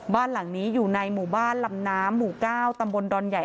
บ้านหลังนี้อยู่ในหมู่บ้านลำน้ำหมู่๙ตำบลดอนใหญ่